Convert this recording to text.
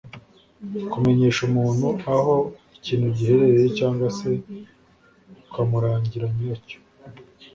kumenyesha umuntu aho ikintu giherereye cyangwa se ukamurangira nyiracyo